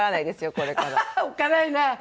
おっかないな。